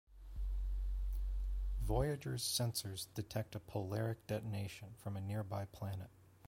"Voyager"s sensors detect a "polaric" detonation from a nearby planet.